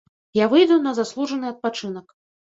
Я выйду на заслужаны адпачынак.